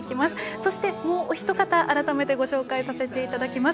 そして、もうお一方改めてご紹介させていただきます